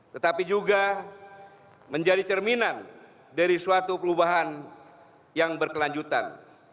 tetapi juga menjadi cerminan dari suatu perubahan yang berkelanjutan